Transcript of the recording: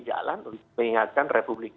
jalan mengingatkan republik